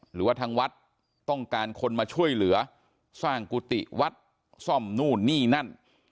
หรือว่าทางวัดต้องการคนมาช่วยเหลือสร้างกุฏิวัดซ่อมนู่นนี่นั่น